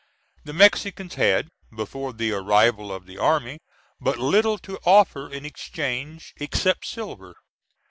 The Mexicans had, before the arrival of the army, but little to offer in exchange except silver.